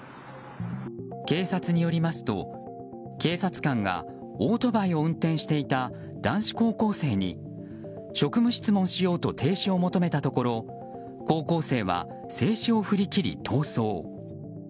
警察によりますと、警察官がオートバイを運転していた男子高校生に職務質問しようと停止を求めたところ高校生は制止を振り切り逃走。